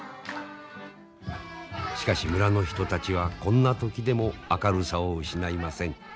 しかし村の人たちはこんな時でも明るさを失いません。